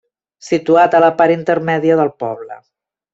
Situat a la part intermèdia del poble.